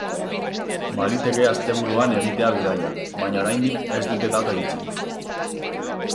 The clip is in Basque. Baliteke asteburuan egitea bidaia, baina oraindik ez dute data itxi.